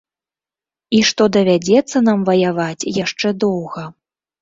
І што давядзецца нам ваяваць яшчэ доўга.